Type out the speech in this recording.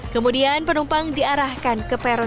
kemudian penumpang diarahkan ke peron